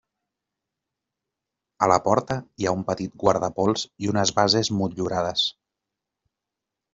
A la porta hi ha un petit guardapols i unes bases motllurades.